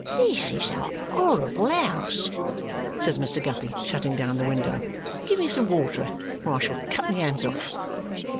"This is a horrible house," says Mr. Guppy, shutting down the window. "Give me some water or I shall cut my hand off."